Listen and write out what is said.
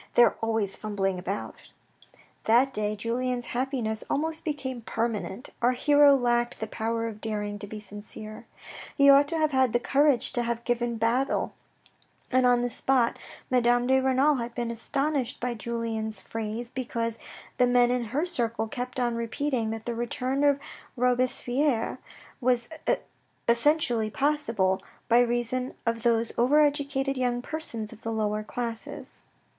They are always fumbling about." That day Julien's happiness almost became permanent. Our hero lacked the power of daring to be sincere. He ought to have had the courage to have given battle, and on the spot ; Madame de Renal had been astonished by Julien's phrase, because the men in her circle kept on repeating that the return of Robespierre was essentialy possible by reason of those over educated young persons of the lower classes.